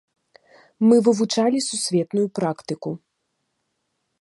Мы вывучалі сусветную практыку.